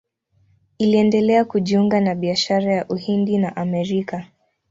Iliendelea kujiunga na biashara ya Uhindi na Amerika.